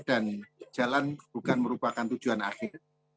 dan jalan bukan merupakan tujuan akhir